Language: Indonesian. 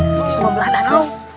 kita harus membelah danau